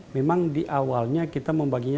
memang di awalnya kita membaginya